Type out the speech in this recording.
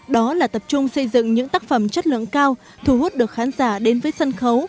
đó là tập trung xây dựng những tác phẩm chất lượng cao thu hút được khán giả đến với sân khấu